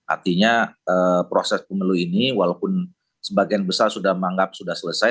artinya proses pemilu ini walaupun sebagian besar sudah menganggap sudah selesai